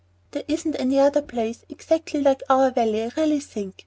] "There isn't any other place exactly like our valley, I really think.